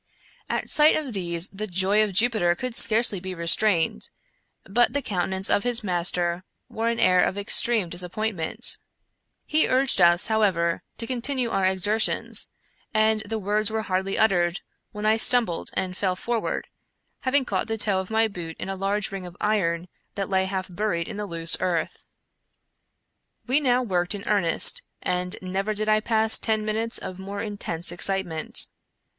At sight of these the joy of Jupiter could scarcely be restrained, but the countenance of his master wore an air of extreme disappointment. He urged us, however, to con tinue our exertions, and the words were hardly uttered when I stumbled and fell forward, having caught the toe of my boot in a large ring of iron that lay half buried in the loose earth. We now worked in earnest, and never did I pass ten minutes of more intense excitement.